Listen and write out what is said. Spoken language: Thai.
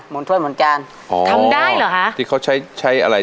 นถ้วยเหมือนกันอ๋อทำได้เหรอคะที่เขาใช้ใช้อะไร